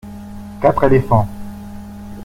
Quatre éléphants.